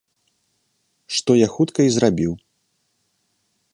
Што я хутка і зрабіў.